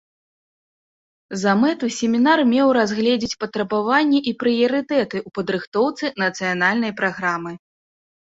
За мэту семінар меў разгледзець патрабаванні і прыярытэты ў падрыхтоўцы нацыянальнай праграмы.